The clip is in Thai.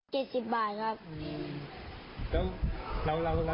แล้วพ่อทำอะไรละ